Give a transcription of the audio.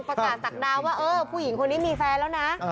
ประกาศสักดาวน์ว่าเออผู้หญิงคนนี้มีแฟนแล้วนะ